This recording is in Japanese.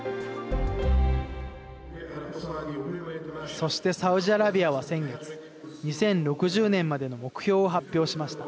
そして、サウジアラビアは先月、２０６０年までの目標を発表しました。